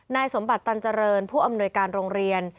สมบัติตันเจริญผู้อำนวยการโรงเรียน